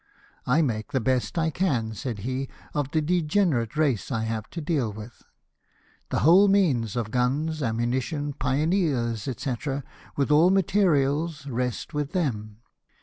"I make the best I can," said he, " of the degenerate race I have to deal with ; the whole means of guns, ammunition, pioneers, &c., with all materials, rest with them.